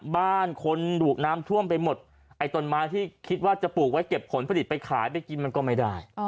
บ้านคนดุน้ำท่วมไปหมดไอ้ต้นไม้ที่คิดว่าจะปลูกไว้เก็บผลผลิตไปขายไปกินมันก็ไม่ได้